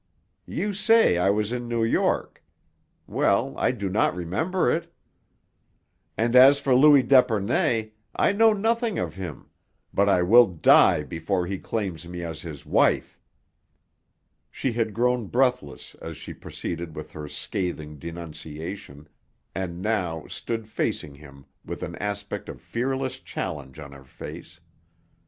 You say I was in New York. Well, I do not remember it. "And as for Louis d'Epernay, I know nothing of him but I will die before he claims me as his wife!" She had grown breathless as she proceeded with her scathing denunciation and now stood facing him with an aspect of fearless challenge on her face.